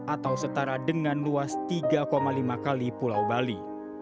atau setara dengan luas tiga lima kali pulau bali